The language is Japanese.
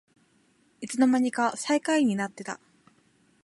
いつのまにか最下位になってた